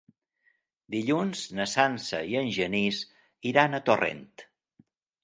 Dilluns na Sança i en Genís iran a Torrent.